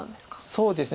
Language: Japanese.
そうですね。